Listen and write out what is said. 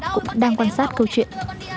cũng đang quan sát câu chuyện